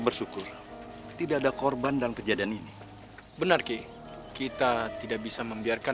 bersyukur tidak ada korban dalam kejadian ini benar ki kita tidak bisa membiarkan